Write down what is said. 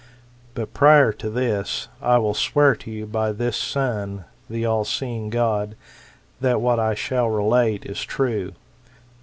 But prior to this, I will swear to you by this sun, the all seeing God, that what I shall relate is true.